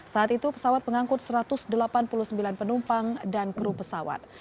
saat itu pesawat pengangkut satu ratus delapan puluh sembilan penumpang dan kru pesawat